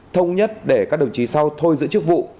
thông nhất để các đồng chí sau thôi giữ chức vụ